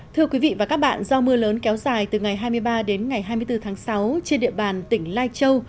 thưa quý vị và các bạn do mưa lớn kéo dài từ ngày hai mươi ba đến ngày hai mươi bốn tháng sáu trên địa bàn tỉnh lai châu